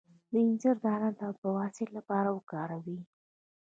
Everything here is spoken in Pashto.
د انځر دانه د بواسیر لپاره وکاروئ